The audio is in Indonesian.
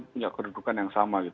punya kedudukan yang sama